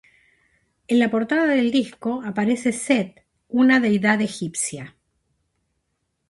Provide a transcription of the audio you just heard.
En la portada del disco aparece Seth una deidad egipcia.